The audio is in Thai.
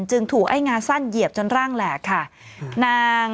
ถูกไอ้งาสั้นเหยียบจนร่างแหลกค่ะนาง